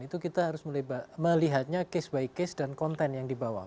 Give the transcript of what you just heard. itu kita harus melihatnya case by case dan konten yang dibawa